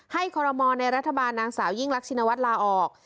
คอรมอลในรัฐบาลนางสาวยิ่งรักชินวัฒน์ลาออก